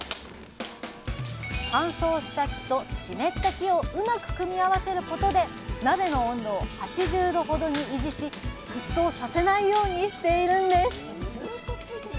乾燥した木と湿った木をうまく組み合わせることで鍋の温度を８０℃ほどに維持し沸騰させないようにしているんです。